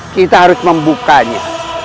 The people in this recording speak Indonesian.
kita harus membukanya